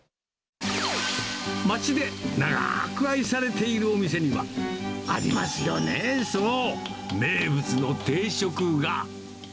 町で長く愛されているお店には、ありますよね、そう、名物の定食が。